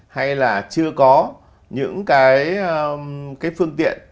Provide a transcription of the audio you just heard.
hay là chưa có những cái phương tiện